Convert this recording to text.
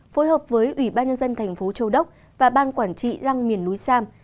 phối hợp với ủy ban nhân dân tp châu đốc và ban quản trị răng miền núi sam